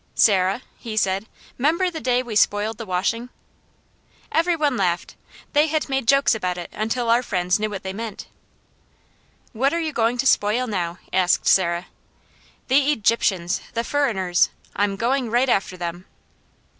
"Sarah," he said, "'member the day we spoiled the washing?" Every one laughed. They had made jokes about it until our friends knew what they meant. "What are you going to spoil now?" asked Sarah. "The Egyptians! The 'furriners.' I'm going right after them!"